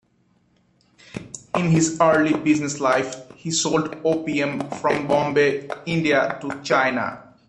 In his early business life, he sold opium from Bombay, India to China.